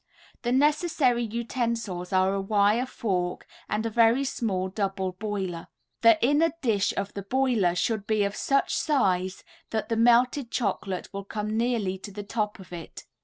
The necessary utensils are a wire fork and a very small double boiler. The inner dish of the boiler should be of such size that the melted chocolate will come nearly to the top of it.